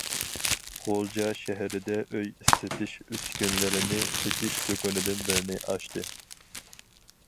غۇلجا شەھىرىدە ئۆي ئىسسىتىش ئۈسكۈنىلىرىنى سېتىش دۇكىنىدىن بىرنى ئاچتى.